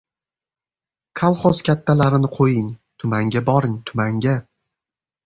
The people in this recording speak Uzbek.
— Kolxoz kattalarini qo‘ying, tumanga boring, tumanga!